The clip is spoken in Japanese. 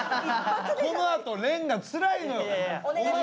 このあと廉がつらいのよ。